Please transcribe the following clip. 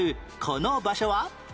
この場所は？